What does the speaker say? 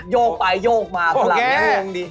ยกไปยกมา